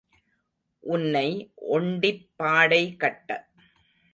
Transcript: உன்னை ஒண்டிப் பாடை கட்ட.